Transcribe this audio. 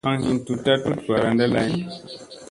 Aŋ hin tutta tut varanda lay ni.